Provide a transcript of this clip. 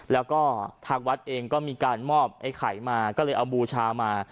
แล้วก็ทางวัดเองก็มีการมอบไอ้ไข่มาก็เลยเอาบูชามา